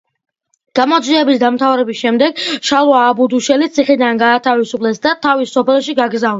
გამოძიების დამთავრების შემდეგ შალვა აბდუშელი ციხიდან გაათავისუფლეს და თავის სოფელში გაგზავნეს.